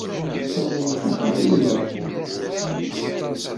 Sami ikellex-as i Layla.